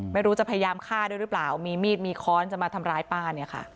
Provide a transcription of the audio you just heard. ไม่รู้จะพยายามฆ่าด้วยรึเปล่ามีมีดมีค้อนจะมาทำร้ายป้า